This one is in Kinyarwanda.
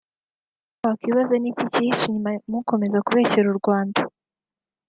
Icyo wakwibaza niki kihishe inyuma mukomeza kubeshyera u Rwanda